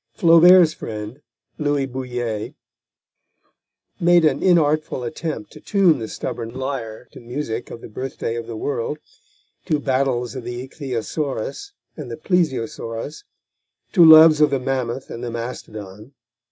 Flaubert's friend, Louis Bouilhet, made a inartful attempt to tune the stubborn lyre to music of the birthday of the world, to battles of the ichthyosaurus and the plesiosaurus, to loves of the mammoth and the mastodon.